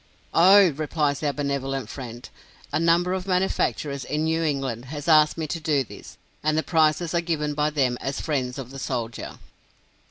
"Oh," replies our benevolent friend, "a number of manufacturers in New England have asked me to do this, and the prizes are given by them as friends of the soldier."